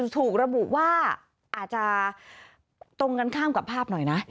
ถูกระบุว่าอาจจะตรงกันข้ามกับภาพหน่อยนะ